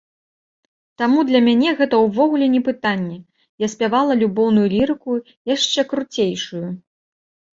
Таму для мяне гэта ўвогуле не пытанне, я спявала любоўную лірыку яшчэ круцейшую.